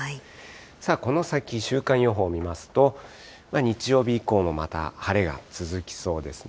さあ、この先、週間予報見ますと、日曜日以降もまた晴れが続きそうですね。